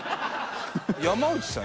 山内さん